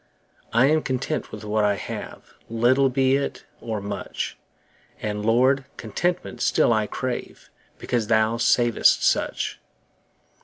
I am content with what I have, 5 Little be it or much: And, Lord, contentment still I crave, Because Thou savest such.